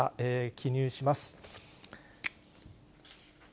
記入します。